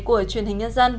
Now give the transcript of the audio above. của truyền hình nhân dân